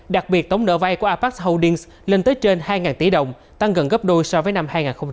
đặc biệt tổng nợ vai của apex holdings lên tới trên hai tỷ đồng tăng gần gấp đôi so với năm hai nghìn hai mươi